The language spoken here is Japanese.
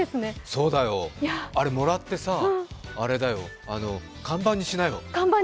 そうだよ、あれもらってさ、看板にしなよ。